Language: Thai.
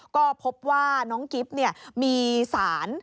ก็พบว่าน้องกิ๊บมีสาร